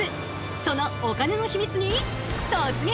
そのお金の秘密に突撃！